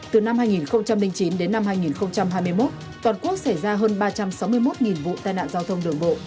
từ năm hai nghìn chín đến năm hai nghìn hai mươi một toàn quốc xảy ra hơn ba trăm sáu mươi một vụ tai nạn giao thông đường bộ